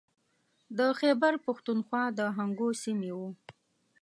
د خیبر پښتونخوا د هنګو سیمې و.